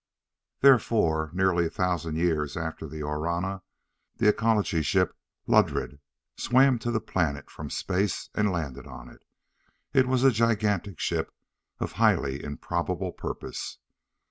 Therefore, nearly a thousand years after the Orana, the Ecology Ship Ludred swam to the planet from space and landed on it. It was a gigantic ship of highly improbable purpose.